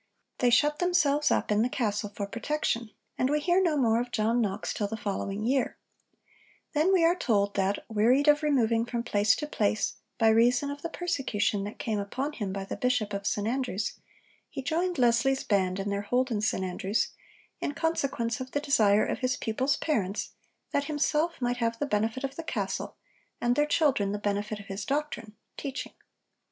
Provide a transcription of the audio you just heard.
They shut themselves up in the castle for protection, and we hear no more of John Knox till the following year. Then we are told that, 'wearied of removing from place to place, by reason of the persecution that came upon him by the Bishop of St Andrews,' he joined Leslie's band in their hold in St Andrews, in consequence of the desire of his pupils' parents 'that himself might have the benefit of the castle, and their children the benefit of his doctrine [teaching].'